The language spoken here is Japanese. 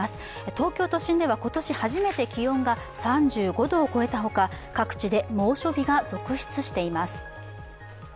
東京都心では今年初めて気温が３５度を超えたほか、各地で猛暑日が続出しています。